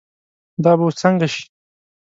دا به اوس څنګه شي.